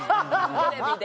テレビで。